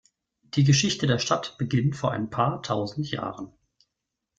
Die Geschichte der Stadt beginnt vor ein paar tausend Jahren.